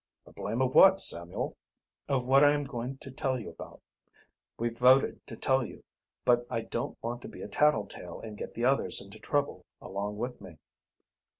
"The blame of what, Samuel?" "Of what I am going to tell you about. We voted to tell you, but I don't want to be a tattle tale and get the others into trouble along with me."